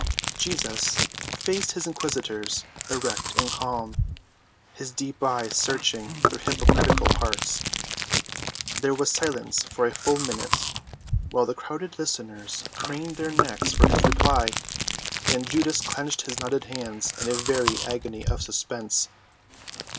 Jesus faced his inquisitors, erect and calm, his deep eyes searching their hypocritical hearts. There was silence for a full minute, while the crowded listeners craned their necks for his reply, and Judas clenched his knotted hands in a very agony of suspense.